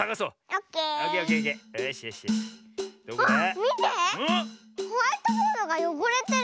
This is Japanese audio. あっみて！